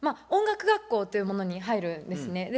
音楽学校というものに入るんですね。